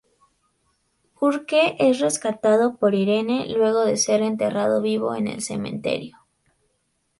Burke es rescatado por Irene luego de ser enterrado vivo en el cementerio.